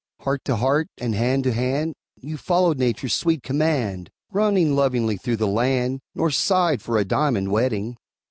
Heart to heart, and hand to hand, You followed Nature's sweet command, Roaming lovingly through the land, Nor sighed for a Diamond Wedding.